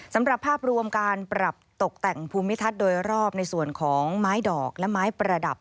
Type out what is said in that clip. สำหรับภาพรวมการปรับตกแต่งภูมิทัศน์โดยรอบในส่วนของไม้ดอกและไม้ประดับ